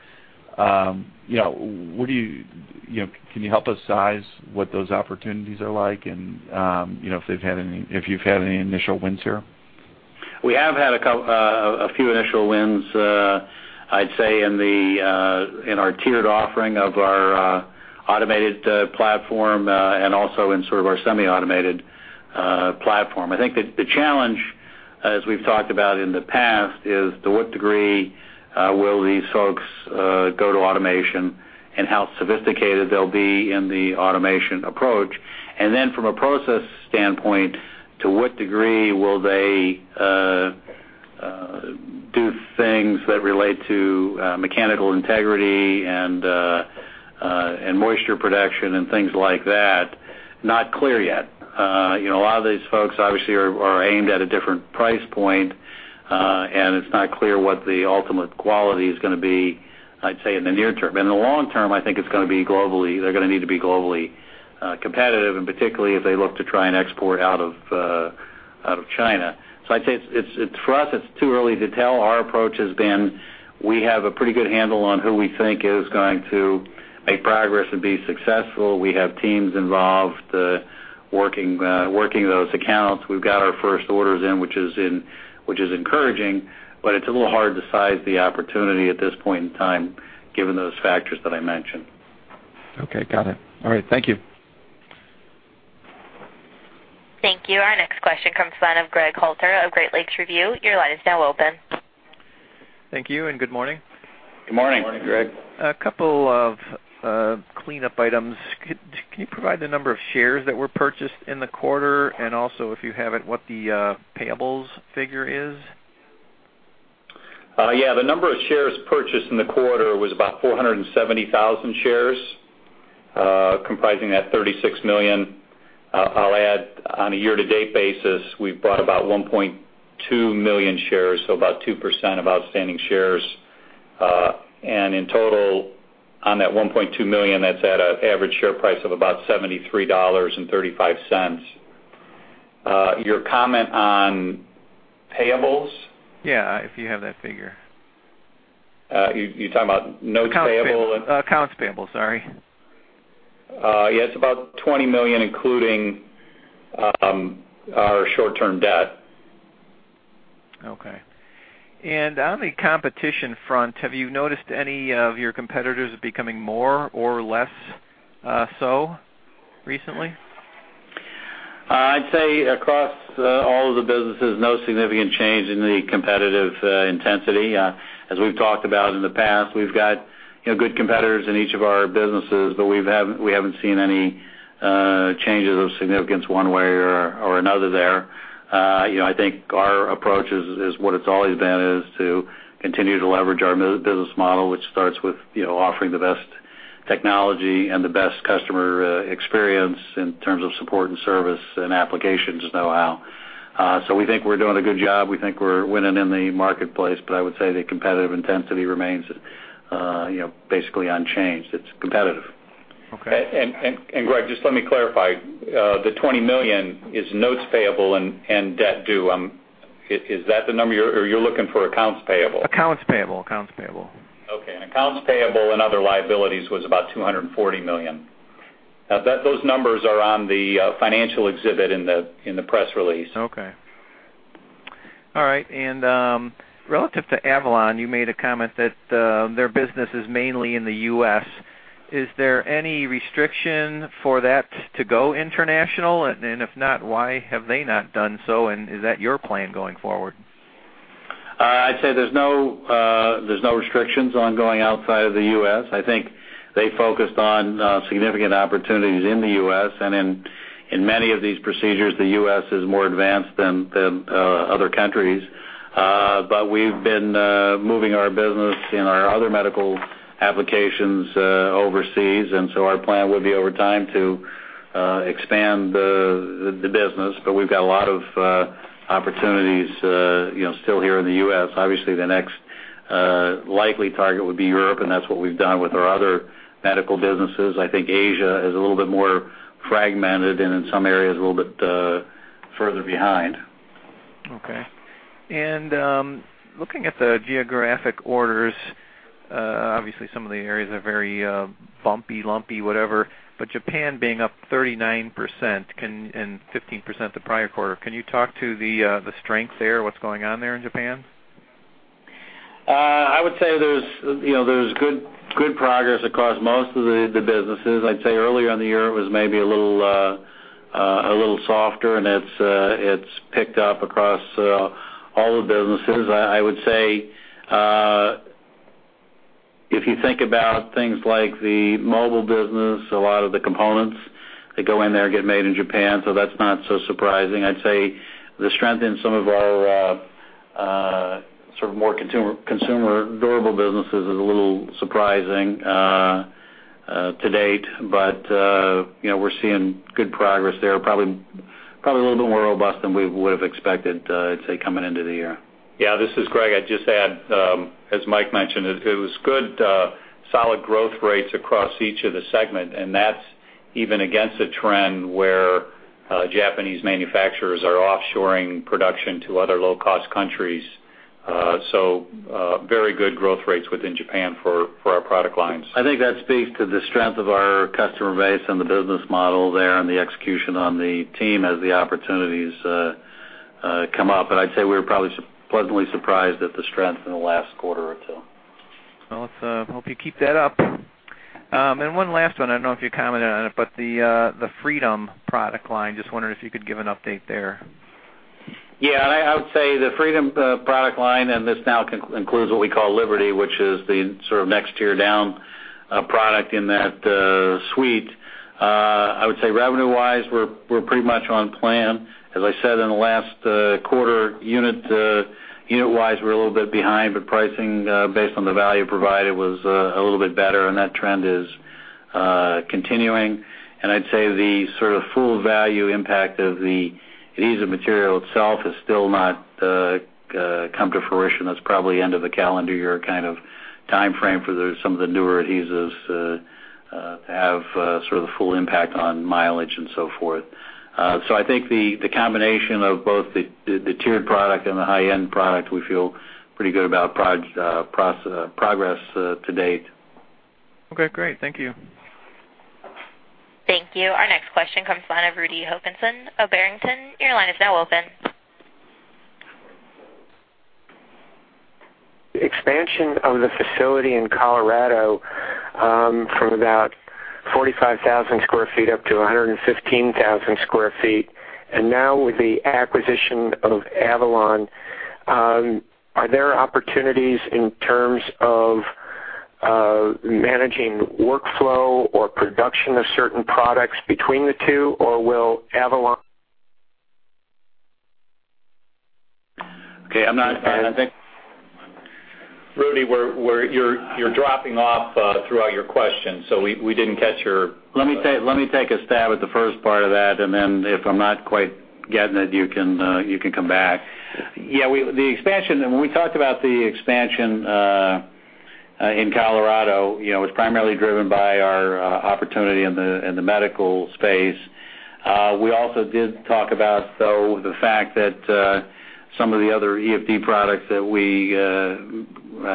S10: you know, you know, can you help us size what those opportunities are like? You know, if you've had any initial wins here?
S3: We have had a few initial wins, I'd say, in our tiered offering of our automated platform, and also in sort of our semi-automated platform. I think the challenge, as we've talked about in the past, is to what degree will these folks go to automation and how sophisticated they'll be in the automation approach. From a process standpoint, to what degree will they do things that relate to mechanical integrity and moisture protection and things like that? Not clear yet. You know, a lot of these folks obviously are aimed at a different price point, and it's not clear what the ultimate quality is gonna be, I'd say, in the near term. In the long term, I think it's gonna be globally. They're gonna need to be globally competitive, and particularly if they look to try and export out of China. I'd say for us it's too early to tell. Our approach has been we have a pretty good handle on who we think is going to make progress and be successful. We have teams involved working those accounts. We've got our first orders in, which is encouraging, but it's a little hard to size the opportunity at this point in time given those factors that I mentioned.
S10: Okay, got it. All right. Thank you.
S1: Thank you. Our next question comes from the line of Greg Halter of Great Lakes Review. Your line is now open.
S10: Thank you and good morning.
S3: Good morning.
S1: Good morning, Greg.
S10: A couple of cleanup items. Can you provide the number of shares that were purchased in the quarter? Also, if you have it, what the payables figure is?
S3: Yeah, the number of shares purchased in the quarter was about 470,000 shares, comprising that $36 million. I'll add on a year-to-date basis, we've bought about $1.2 million shares, so about 2% of outstanding shares. In total, on that $1.2 million, that's at an average share price of about $73.35. Your comment on payables?
S10: Yeah, if you have that figure.
S3: You talking about notes payable and
S10: Accounts payable. Sorry.
S3: Yes, about $20 million, including our short-term debt.
S10: Okay. On the competition front, have you noticed any of your competitors becoming more or less, so recently?
S3: I'd say across all of the businesses, no significant change in the competitive intensity. As we've talked about in the past, we've got, you know, good competitors in each of our businesses, but we haven't seen any changes of significance one way or another there. You know, I think our approach is what it's always been, is to continue to leverage our business model, which starts with, you know, offering the best technology and the best customer experience in terms of support and service and applications know-how. So we think we're doing a good job. We think we're winning in the marketplace, but I would say the competitive intensity remains, you know, basically unchanged. It's competitive.
S10: Okay.
S3: Greg, just let me clarify. The $20 million is notes payable and debt due. Is that the number? Or you're looking for accounts payable?
S10: Accounts payable.
S3: Accounts payable and other liabilities was about $240 million. Those numbers are on the financial exhibit in the press release.
S10: Okay. All right. Relative to Avalon, you made a comment that their business is mainly in the U.S. Is there any restriction for that to go international? If not, why have they not done so? Is that your plan going forward?
S3: I'd say there's no restrictions on going outside of the U.S. I think they focused on significant opportunities in the U.S., and in many of these procedures, the U.S. is more advanced than other countries. We've been moving our business in our other medical applications overseas, and so our plan will be over time to expand the business. We've got a lot of opportunities, you know, still here in the U.S. Obviously, the next likely target would be Europe, and that's what we've done with our other medical businesses. I think Asia is a little bit more fragmented and in some areas a little bit further behind.
S11: Okay. Looking at the geographic orders, obviously some of the areas are very bumpy, lumpy, whatever, but Japan being up 39% and 15% the prior quarter, can you talk to the strength there, what's going on there in Japan?
S3: I would say there's you know there's good progress across most of the businesses. I'd say earlier in the year, it was maybe a little softer, and it's picked up across all the businesses. I would say if you think about things like the mobile business, a lot of the components that go in there get made in Japan, so that's not so surprising. I'd say the strength in some of our sort of more consumer durable businesses is a little surprising to date. You know, we're seeing good progress there, probably a little bit more robust than we would've expected, I'd say, coming into the year.
S4: Yeah, this is Greg. I'd just add, as Mike mentioned, it was good, solid growth rates across each of the segment, and that's even against a trend where Japanese manufacturers are offshoring production to other low-cost countries. Very good growth rates within Japan for our product lines.
S3: I think that speaks to the strength of our customer base and the business model there and the execution on the team as the opportunities come up. I'd say we're probably pleasantly surprised at the strength in the last quarter or two.
S11: Well, let's hope you keep that up. One last one. I don't know if you commented on it, but the Freedom product line, just wondering if you could give an update there.
S3: Yeah. I would say the Freedom product line, and this now includes what we call Liberty, which is the sort of next tier down product in that suite. I would say revenue-wise, we're pretty much on plan. As I said in the last quarter, unit-wise, we're a little bit behind, but pricing based on the value provided was a little bit better, and that trend is continuing. I'd say the sort of full value impact of the use of material itself has still not come to fruition. That's probably end of the calendar year kind of timeframe for some of the newer adhesives to have sort of the full impact on mileage and so forth. I think the combination of both the tiered product and the high-end product. We feel pretty good about progress to date.
S10: Okay, great. Thank you.
S1: Thank you. Our next question comes from the line of Rudy Hokanson of Barrington. Your line is now open.
S12: Expansion of the facility in Colorado, from about 45,000 sq ft up to 115,000 sq ft, and now with the acquisition of Avalon, are there opportunities in terms of, managing workflow or production of certain products between the two, or will Avalon?
S3: Okay, I'm not. I think.
S4: Rudy, you're dropping off throughout your question, so we didn't catch your
S3: Let me take a stab at the first part of that, and then if I'm not quite getting it, you can come back. The expansion, when we talked about the expansion in Colorado, you know, it was primarily driven by our opportunity in the medical space. We also did talk about, though, the fact that some of the other EFD products that we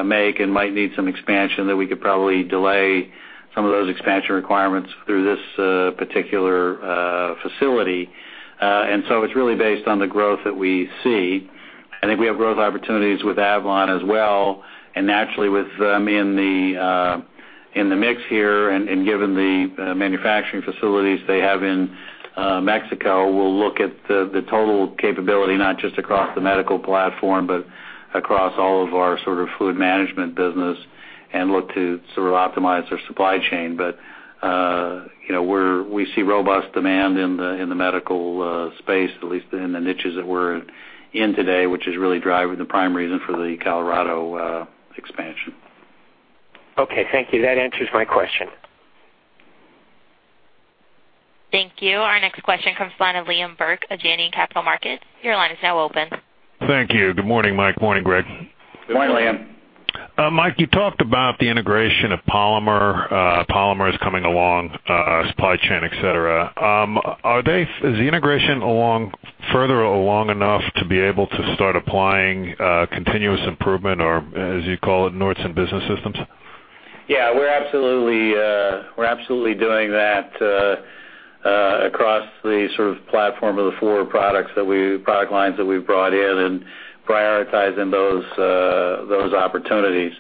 S3: make and might need some expansion that we could probably delay some of those expansion requirements through this particular facility. It's really based on the growth that we see. I think we have growth opportunities with Avalon as well. Naturally, with them in the mix here and given the manufacturing facilities they have in Mexico, we'll look at the total capability, not just across the medical platform, but across all of our sort of fluid management business and look to sort of optimize their supply chain. You know, we see robust demand in the medical space, at least in the niches that we're in today, which is really driving the prime reason for the Colorado expansion.
S12: Okay, thank you. That answers my question.
S1: Thank you. Our next question comes from the line of Liam Burke of Janney Capital Markets. Your line is now open.
S11: Thank you. Good morning, Mike. Morning, Greg.
S3: Good morning, Liam.
S11: Mike, you talked about the integration of Polymers coming along, supply chain, et cetera. Is the integration further along enough to be able to start applying continuous improvement or, as you call it, Nordson Business System?
S3: Yeah, we're absolutely doing that across the sort of platform of the four product lines that we've brought in and prioritizing those opportunities.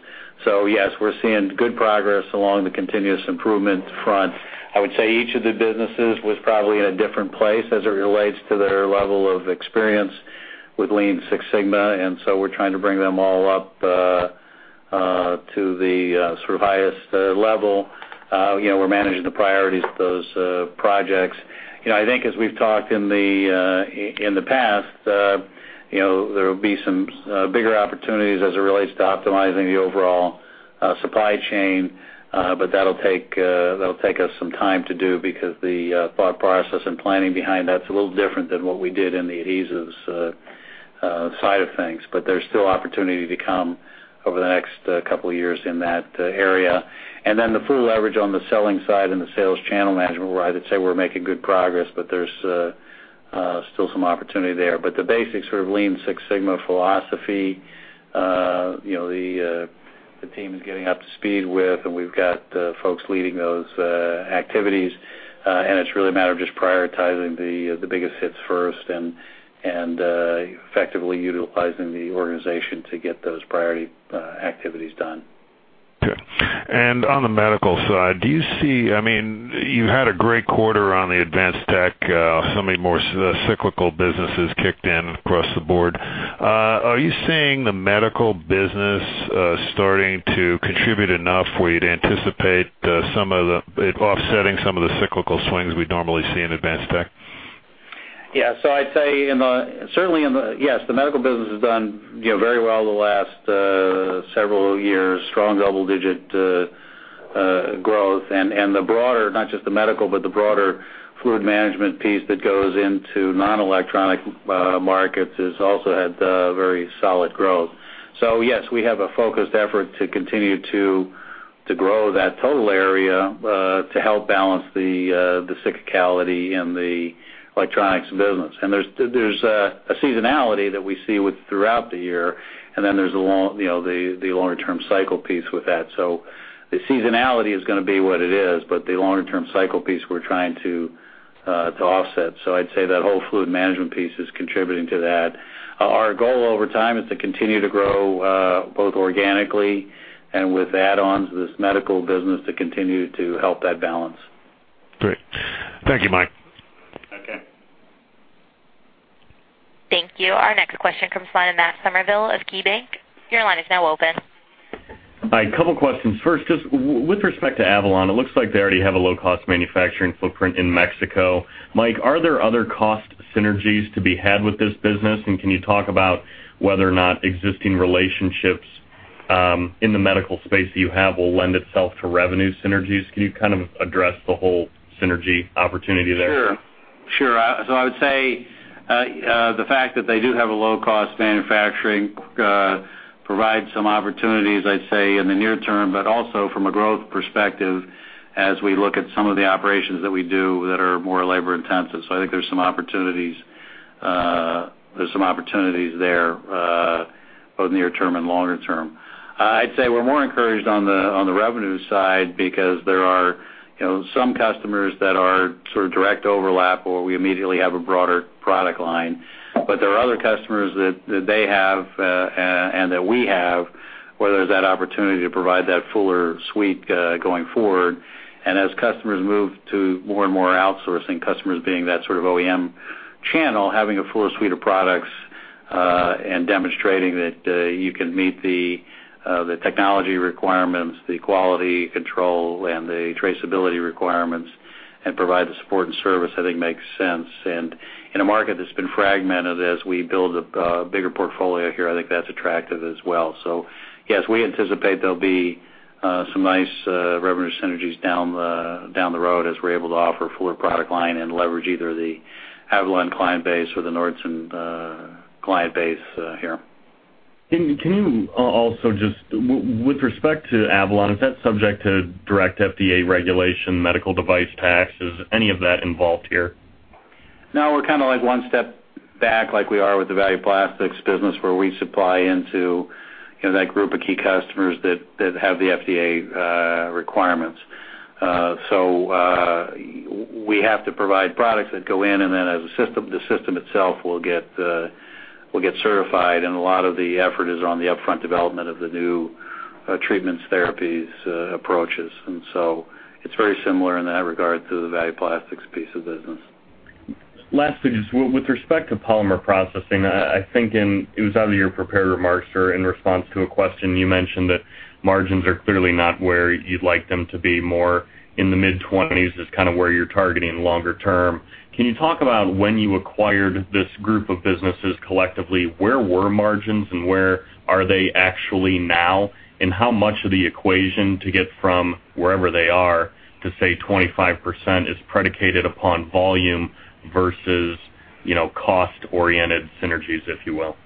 S3: Yes, we're seeing good progress along the continuous improvement front. I would say each of the businesses was probably in a different place as it relates to their level of experience with Lean Six Sigma, and so we're trying to bring them all up to the sort of highest level. You know, we're managing the priorities of those projects. You know, I think as we've talked in the past, you know, there will be some bigger opportunities as it relates to optimizing the overall supply chain. That'll take us some time to do because the thought process and planning behind that's a little different than what we did in the adhesives side of things. There's still opportunity to come over the next couple of years in that area. The full leverage on the selling side and the sales channel management, where I'd say we're making good progress, but there's still some opportunity there. The basic sort of Lean Six Sigma philosophy, you know, the team is getting up to speed with, and we've got folks leading those activities. It's really a matter of just prioritizing the biggest hits first and effectively utilizing the organization to get those priority activities done.
S11: Okay. On the medical side, do you see? I mean, you had a great quarter on the Advanced Tech. So many more cyclical businesses kicked in across the board. Are you seeing the medical business starting to contribute enough where you'd anticipate some of it offsetting some of the cyclical swings we'd normally see in Advanced Tech?
S3: I'd say certainly the medical business has done, you know, very well the last several years, strong double-digit growth. The broader, not just the medical, but the broader fluid management piece that goes into non-electronic markets has also had very solid growth. Yes, we have a focused effort to continue to grow that total area to help balance the cyclicality in the electronics business. There's a seasonality that we see throughout the year, and then there's a longer term cycle piece with that. The seasonality is gonna be what it is, but the longer term cycle piece we're trying to offset. I'd say that whole fluid management piece is contributing to that. Our goal over time is to continue to grow, both organically and with add-ons to this medical business to continue to help that balance.
S11: Great. Thank you, Mike.
S3: Okay.
S1: Thank you. Our next question comes from the line of Matt Summerville of KeyBanc. Your line is now open.
S13: Hi, a couple questions. First, just with respect to Avalon, it looks like they already have a low cost manufacturing footprint in Mexico. Mike, are there other cost synergies to be had with this business? Can you talk about whether or not existing relationships in the medical space that you have will lend itself to revenue synergies? Can you kind of address the whole synergy opportunity there?
S3: Sure. I would say the fact that they do have a low cost manufacturing provides some opportunities, I'd say, in the near term, but also from a growth perspective as we look at some of the operations that we do that are more labor intensive. I think there's some opportunities there, both near term and longer term. I'd say we're more encouraged on the revenue side because there are, you know, some customers that are sort of direct overlap where we immediately have a broader product line. But there are other customers that they have, and that we have, where there's that opportunity to provide that fuller suite, going forward. As customers move to more and more outsourcing, customers being that sort of OEM channel, having a fuller suite of products, and demonstrating that you can meet the technology requirements, the quality control and the traceability requirements and provide the support and service, I think makes sense. In a market that's been fragmented, as we build a bigger portfolio here, I think that's attractive as well. Yes, we anticipate there'll be some nice revenue synergies down the road as we're able to offer a fuller product line and leverage either the Avalon client base or the Nordson client base here.
S13: Can you also just, with respect to Avalon, is that subject to direct FDA regulation, medical device tax? Is any of that involved here?
S3: No, we're kind of like one step back like we are with the Value Plastics business where we supply into, you know, that group of key customers that have the FDA requirements. So, we have to provide products that go in and then as a system, the system itself will get certified. A lot of the effort is on the upfront development of the new treatments, therapies, approaches. It's very similar in that regard to the Value Plastics piece of business.
S13: Lastly, just with respect to polymer processing, I think it was out of your prepared remarks or in response to a question, you mentioned that margins are clearly not where you'd like them to be more in the mid-20s is kind of where you're targeting longer term. Can you talk about when you acquired this group of businesses collectively, where were margins and where are they actually now? How much of the equation to get from wherever they are to, say, 25% is predicated upon volume versus, you know, cost-oriented synergies, if you will?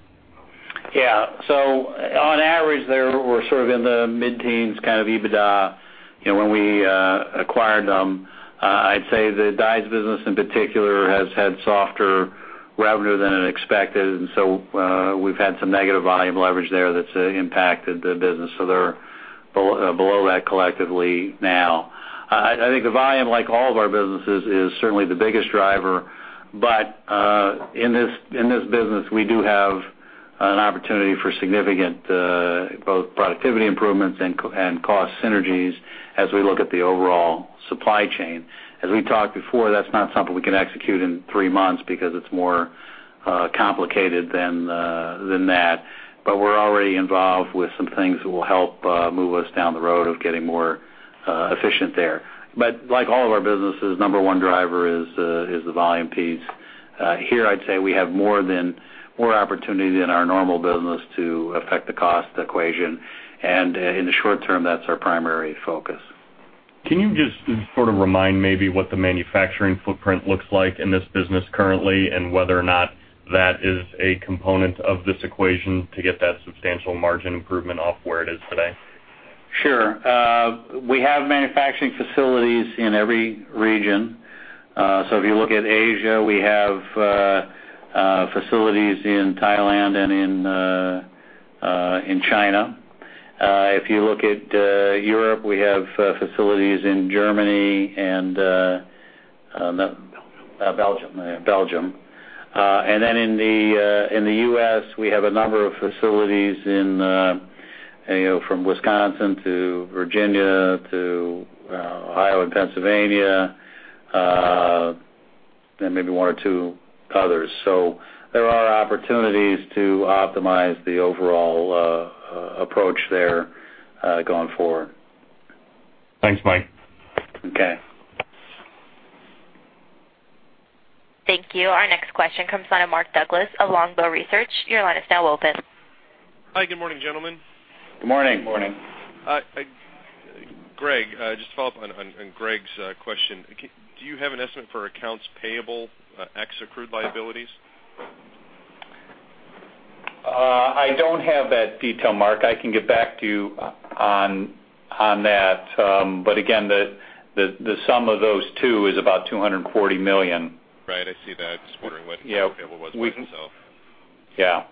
S3: Yeah. On average, they were sort of in the mid-teens kind of EBITDA, you know, when we acquired them. I'd say the dies business in particular has had softer revenue than expected, and so we've had some negative volume leverage there that's impacted the business. They're below that collectively now. I think the volume, like all of our businesses, is certainly the biggest driver. But in this business, we do have an opportunity for significant both productivity improvements and cost synergies as we look at the overall supply chain. As we talked before, that's not something we can execute in three months because it's more complicated than that. But we're already involved with some things that will help move us down the road of getting more efficient there. Like all of our businesses, number one driver is the volume piece. Here, I'd say we have more opportunity than our normal business to affect the cost equation. In the short term, that's our primary focus.
S13: Can you just sort of remind maybe what the manufacturing footprint looks like in this business currently, and whether or not that is a component of this equation to get that substantial margin improvement off where it is today?
S3: Sure. We have manufacturing facilities in every region. If you look at Asia, we have facilities in Thailand and in China. If you look at Europe, we have facilities in Germany and Belgium. In the U.S., we have a number of facilities in, you know, from Wisconsin to Virginia to Ohio and Pennsylvania, then maybe one or two others. There are opportunities to optimize the overall approach there, going forward.
S13: Thanks, Mike.
S3: Okay.
S1: Thank you. Our next question comes from Mark Douglass of Longbow Research. Your line is now open.
S14: Hi. Good morning, gentlemen.
S3: Good morning.
S4: Morning.
S14: Greg, just to follow up on Greg's question. Do you have an estimate for accounts payable, ex accrued liabilities?
S3: I don't have that detail, Mark. I can get back to you on that. Again, the sum of those two is about $240 million.
S14: Right. I see that. Just wondering what.
S3: Yeah.
S14: was by itself.
S3: Yeah.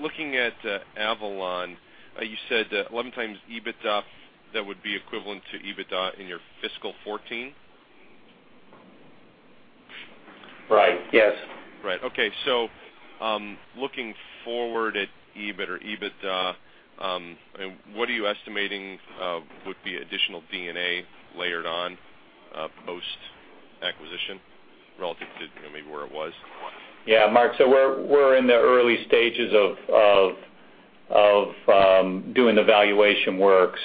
S14: Looking at Avalon, you said that 11x EBITDA, that would be equivalent to EBITDA in your fiscal 2014?
S3: Right. Yes.
S14: Right. Okay. Looking forward at EBIT or EBITDA, what are you estimating would be additional D&A layered on, post-acquisition relative to maybe where it was?
S3: Yeah. Mark, we're in the early stages of doing the valuation work.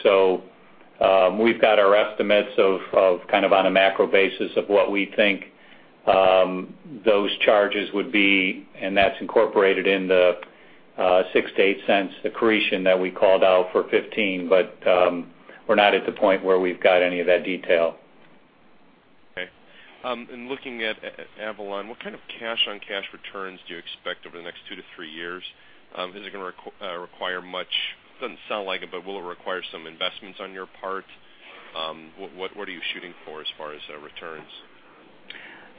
S3: We've got our estimates of kind of on a macro basis of what we think those charges would be, and that's incorporated in the $0.06-$0.08 accretion that we called out for 2015. We're not at the point where we've got any of that detail.
S14: Okay. In looking at Avalon, what kind of cash-on-cash returns do you expect over the next two to three years? Is it gonna require much? Doesn't sound like it, but will it require some investments on your part? What are you shooting for as far as returns?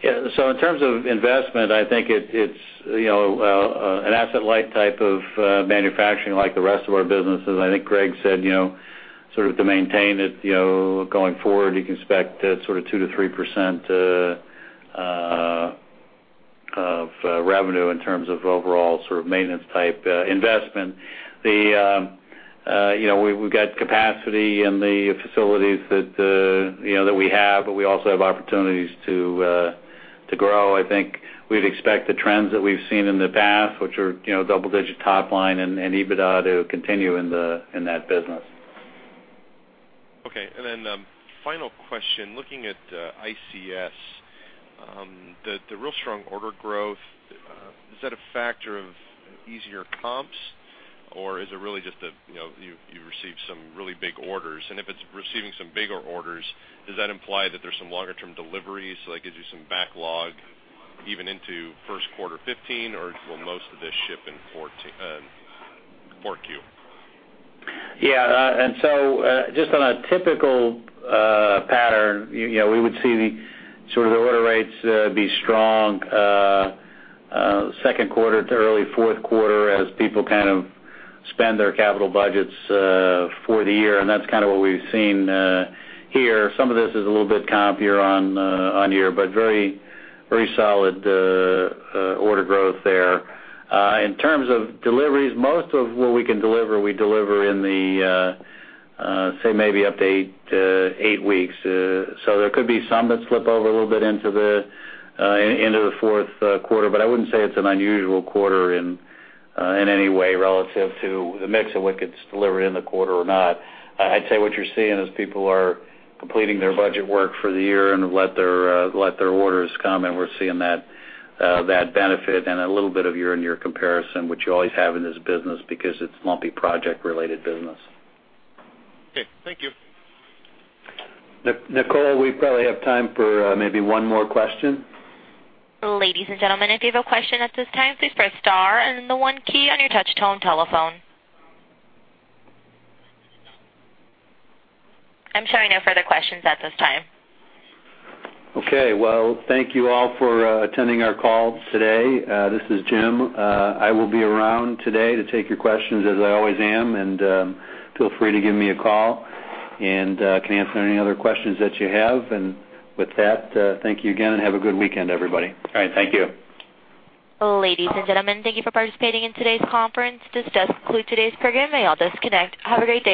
S3: In terms of investment, I think it's, you know, an asset light type of manufacturing like the rest of our businesses. I think Greg said, you know, sort of to maintain it, you know, going forward, you can expect sort of 2%-3% of revenue in terms of overall sort of maintenance type investment. You know, we've got capacity in the facilities that, you know, that we have, but we also have opportunities to grow. I think we'd expect the trends that we've seen in the past, which are, you know, double digit top line and EBITDA to continue in that business.
S14: Final question, looking at ICS, the real strong order growth, is that a factor of easier comps, or is it really just a, you know, you received some really big orders? And if it's receiving some bigger orders, does that imply that there's some longer term deliveries, so that gives you some backlog even into Q1 2015, or will most of this ship in 2014 Q4?
S3: Just on a typical pattern, you know, we would see the sort of order rates be strong Q2 to early Q4 as people kind of spend their capital budgets for the year, and that's kind of what we've seen here. Some of this is a little bit comp year-on-year, but very, very solid order growth there. In terms of deliveries, most of what we can deliver, we deliver in the, say, maybe up to eight weeks. There could be some that slip over a little bit into the Q4, but I wouldn't say it's an unusual quarter in any way relative to the mix of what gets delivered in the quarter or not. I'd say what you're seeing is people are completing their budget work for the year and let their orders come, and we're seeing that benefit and a little bit of year-on-year comparison, which you always have in this business because it's lumpy project-related business.
S14: Okay. Thank you.
S3: Nicole, we probably have time for, maybe one more question.
S1: Ladies and gentlemen, if you have a question at this time, please press star and the one key on your touch tone telephone. I'm showing no further questions at this time.
S3: Okay. Well, thank you all for attending our call today. This is Jim. I will be around today to take your questions as I always am. Feel free to give me a call, and can answer any other questions that you have. With that, thank you again and have a good weekend, everybody.
S13: All right. Thank you.
S1: Ladies and gentlemen, thank you for participating in today's conference. This does conclude today's program. You may all disconnect. Have a great day.